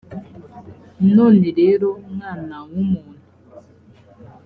none rero mwana w umuntu